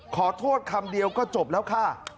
ขอโทษคำเดียวก็จบแล้วค่ะ